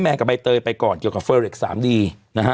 กับใบเตยไปก่อนเกี่ยวกับเฟอร์เล็ก๓ดีนะฮะ